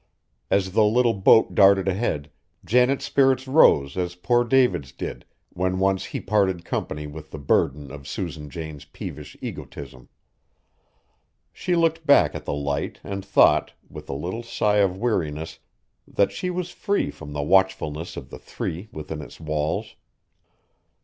As the little boat darted ahead, Janet's spirits rose as poor David's did, when once he parted company with the burden of Susan Jane's peevish egotism. She looked back at the Light and thought, with a little sigh of weariness, that she was free from the watchfulness of the three within its walls.